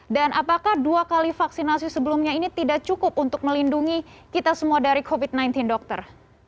dan apakah dua kali vaksinasi sebelumnya ini tidak cukup untuk melindungi kita semua dari covid sembilan belas dokter